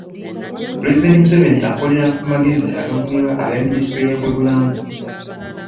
Pulezidenti Museveni akolera ku magezi agamuweebwa aba minisitule y’ebyobulamu.